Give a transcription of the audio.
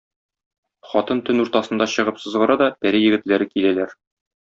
Хатын төн уртасында чыгып сызгыра да пәри егетләре киләләр.